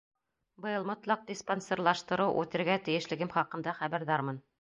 — Быйыл мотлаҡ диспансерлаштырыу үтергә тейешлегем хаҡында хәбәрҙармын.